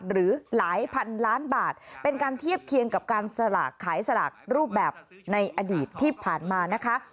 หรือหลายพันล้านบาทเป็นการเทียบเคียงกับการสลากขายสลากรูปแบบในอดีตที่ผ่านมานะคะ